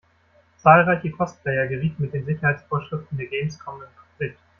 Zahlreiche Cosplayer gerieten mit den Sicherheitsvorschriften der Gamescom in Konflikt.